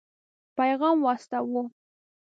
پيغام واستاوه.